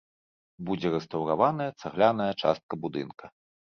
Будзе рэстаўраваная цагляная частка будынка.